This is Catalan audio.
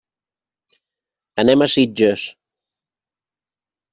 Anem a Sitges.